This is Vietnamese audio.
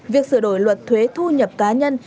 việc sửa đổi luật thuế thu nhập cá nhân